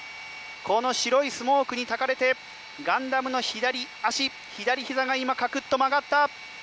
この白いスモークにたかれてガンダムの左脚、左ひざが今、カクッと曲がった！